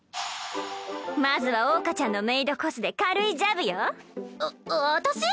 まずは桜花ちゃんのメイドコスで軽いジャブよわ私？